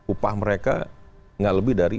upah mereka nggak lebih dari